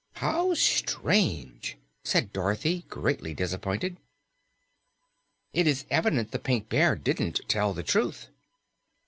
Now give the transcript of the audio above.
"How strange!" said Dorothy, greatly disappointed. "It's evident the Pink Bear didn't tell the truth."